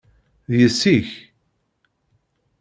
D yessi-k?